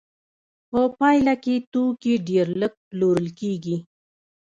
په پایله کې توکي ډېر لږ پلورل کېږي